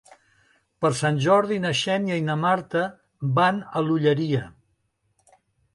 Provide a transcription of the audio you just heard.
Per Sant Jordi na Xènia i na Marta van a l'Olleria.